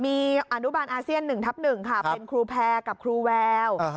มีอันดุบารอย่างอาเซียน๑๑ค่ะเป็นครูแพร่กับครูแวล